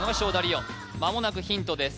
お間もなくヒントです